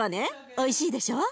おいしいでしょ？